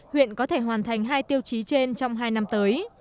huyện có thể hoàn thành hai tiêu chí trên trong hai năm tới